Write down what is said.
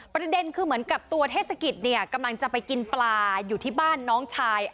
ประเด็นคือเหมือนกับตัวเทศกิจเนี่ยกำลังจะไปกินปลาอยู่ที่บ้านน้องชาย